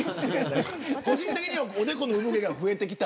個人的にはおでこの産毛が増えてきた。